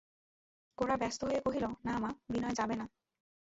গোরা ব্যস্ত হইয়া কহিল, না মা, বিনয় যাবে না।